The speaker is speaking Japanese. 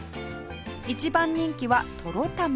一番人気はとろたま